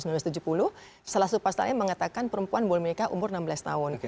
salah satu pasalnya mengatakan perempuan boleh menikah umur enam belas tahun